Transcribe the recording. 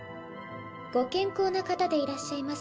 ご健康な方でいらっしゃいます